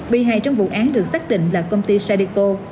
bị hài trong vụ án được xác định là công ty sadeco